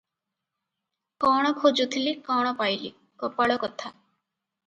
କଣ ଖୋଜୁଥିଲି, କଣ ପାଇଲି- କପାଳ କଥା!